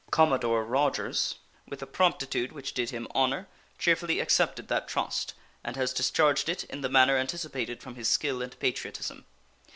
Commodore Rodgers, with a promptitude which did him honor, cheerfully accepted that trust, and has discharged it in the manner anticipated from his skill and patriotism.